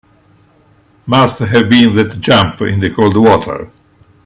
Must have been that jump in the cold water.